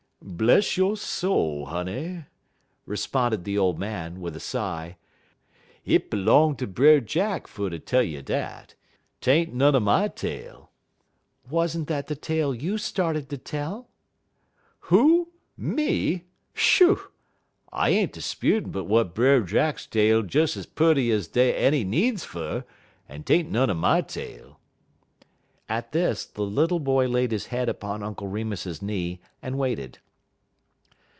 "Bless yo' soul, honey," responded the old man, with a sigh, "hit b'long ter Brer Jack fer ter tell you dat. 'T ain't none er my tale." "Was n't that the tale you started to tell?" "Who? Me? Shoo! I ain't 'sputin' but w'at Brer Jack tale des ez purty ez dey er any needs fer, yit 't ain't none er my tale." At this, the little boy laid his head upon Uncle Remus's knee and waited.